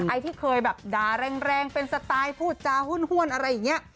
ไอ้ที่เคยแบบด่าแรงเป็นสไตล์พูดจาห้วนอะไรอย่างนี้